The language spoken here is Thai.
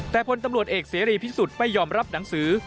แต่พลตำรวจเอกเสรีพิสุทธิ์ไม่ยอมรับหนังสือ